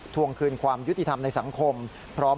ทวงคืนความยุติธรรมในสังคมพร้อม